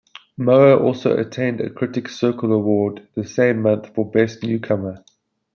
Mower also obtained a Critics' Circle Award the same month for Best Newcomer.